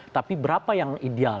tapi berapa yang ideal